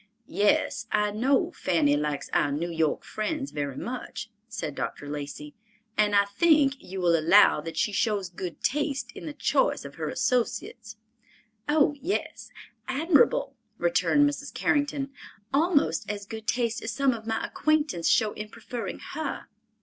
"Yes, I know Fanny likes our New York friends very much," said Dr. Lacey. "And I think you will allow that she shows good taste in the choice of her associates." "Oh, yes, admirable," returned Mrs. Carrington, "almost as good taste as some of my acquaintance show in preferring her."